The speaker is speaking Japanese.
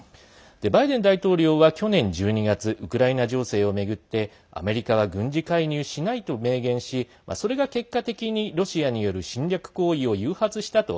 バイデン大統領は去年１２月ウクライナ情勢を巡ってアメリカは軍事介入しないと明言しそれが結果的にロシアによる侵略行為を誘発したと